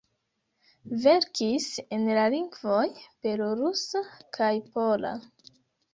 Verkis en la lingvoj belorusa kaj pola.